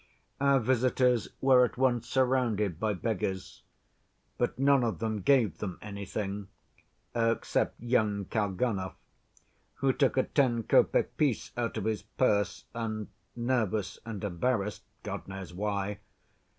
Our visitors were at once surrounded by beggars, but none of them gave them anything, except young Kalganov, who took a ten‐ copeck piece out of his purse, and, nervous and embarrassed—God knows why!